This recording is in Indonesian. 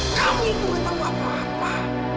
kamu itu nggak tahu apa apa